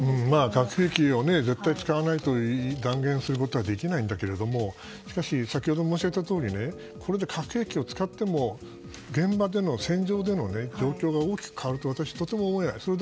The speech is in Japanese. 核兵器を絶対使わないと断言することはできないんだけど先ほど申し上げたとおりこれで核兵器を使っても現場での、戦場での状況が大きく変わるとは私はとても思えない。